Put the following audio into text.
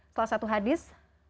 salah satu hadis